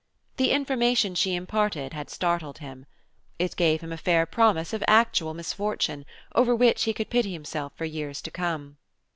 The information she imparted had startled him. It gave him a fair promise of actual misfortune, over which he could pity himself for years to come.